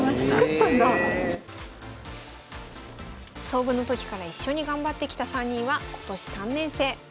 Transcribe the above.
創部の時から一緒に頑張ってきた３人は今年３年生。